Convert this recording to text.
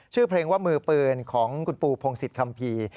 ชื่อเพลงว่ามือปืนของคุณปูพงศิษยคัมภีร์